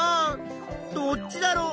どっちだろう？